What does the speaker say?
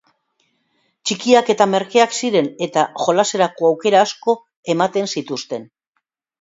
Txikiak eta merkeak ziren eta jolaserako aukera asko ematen zituzten.